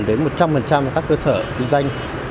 đến một trăm linh các cơ sở kinh doanh